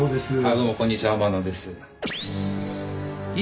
どうもこんにちは天野です。